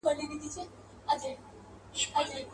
ډېر پخوا په ډېرو لیري زمانو کي.